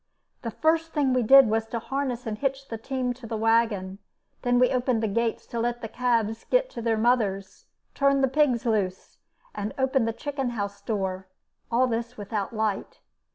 The first thing we did was to harness and hitch the team to the wagon. Then we opened the gates to let the calves get to their mothers, turned the pigs loose, and opened the chicken house door all this without light.